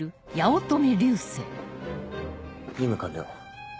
任務完了。